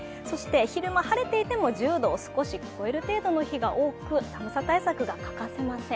昼間晴れていても１０度を少し超える程度の日が多く寒さ対策が欠かせません。